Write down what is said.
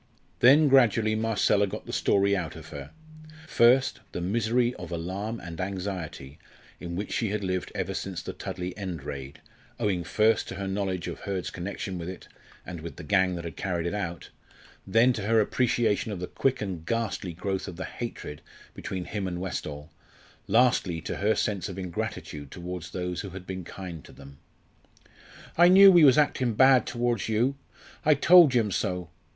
Then gradually Marcella got the story out of her first, the misery of alarm and anxiety in which she had lived ever since the Tudley End raid, owing first to her knowledge of Hurd's connection with it, and with the gang that had carried it out; then to her appreciation of the quick and ghastly growth of the hatred between him and Westall; lastly, to her sense of ingratitude towards those who had been kind to them. "I knew we was acting bad towards you. I told Jim so.